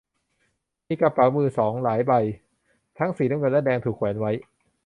มีกระเป๋ามือสองหลายใบ ทั้งสีน้ำเงินและแดง ถูกแขวนไว้